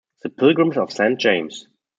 The Pilgrims of Saint James.